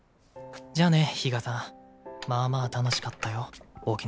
じゃあね比嘉さん。まあまあ楽しかったよ沖縄。